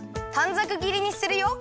ざくぎりにするよ。